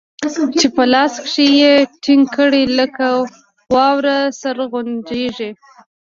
چې په لاس کښې يې ټينګ کړې لکه واوره سره غونجېږي.